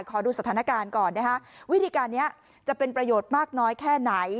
ขอดูสถานการณ์ก่อนนะคะวิธีการนี้จะเป็นประโยชน์มากน้อยแค่ไหน